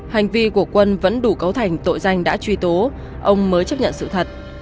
hành vi của quân vẫn đủ cấu thành tội danh đã truy tố ông mới chấp nhận sự thật